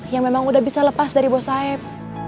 yang memang udah bisa lepas dari bos saib